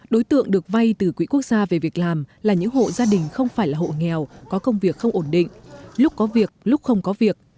đối tượng được vay từ quỹ quốc gia về việc làm là những hộ gia đình không phải là hộ nghèo có công việc không ổn định lúc có việc lúc không có việc